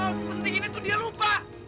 kalau penting ini tuh dia lupa